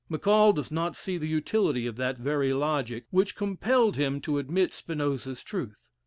Maccall does not see the utility of that very logic which compelled him to admit Spinoza's truth.